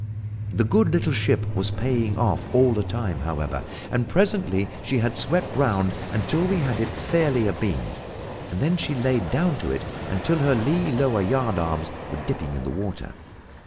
The good little ship was paying off all the time, however, and presently she had swept round until we had it fairly abeam, when she laid down to it until her lee lower yardarms were dipping in the water.